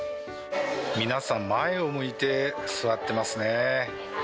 皆さん、前を向いて座ってますね。